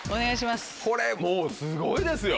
これもうすごいですよ。